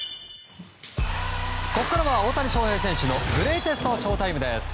ここからは大谷翔平選手のグレイテストＳＨＯ‐ＴＩＭＥ。